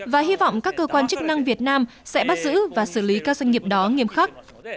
và hy vọng các cơ quan chức năng việt nam sẽ bắt giữ và xử lý các doanh nghiệp đó nghiêm khắc